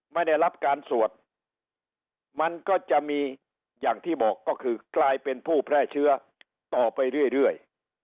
ไม่ได้รับการสวดมันก็จะมีอย่างที่บอกก็คือกลายเป็นผู้แพร่เชื้อต่อไปเรื่อย